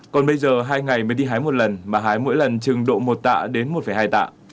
còn bây giờ hai ngày mới đi hái một lần mà hái mỗi lần trừng độ một tạ đến một hai tạ